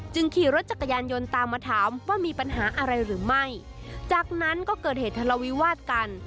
ขี่รถจักรยานยนต์ตามมาถามว่ามีปัญหาอะไรหรือไม่จากนั้นก็เกิดเหตุทะเลาวิวาสกัน